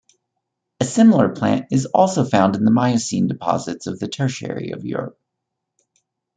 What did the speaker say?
A similar plant is also found in Miocene deposits of the Tertiary of Europe.